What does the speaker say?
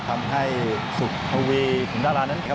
ทำให้สุขโอวีของด้านล่านั้นครับ